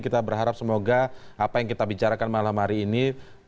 kita berharap semoga apa yang kita bicarakan malam hari ini